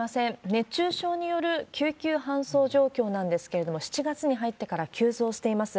熱中症による救急搬送状況なんですけれども、７月に入ってから急増しています。